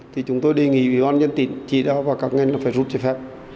thì chúng tôi đề nghị ủy ban nhân tỉnh chỉ đó và các ngành là phải rút giấy phép